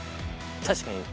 確かに。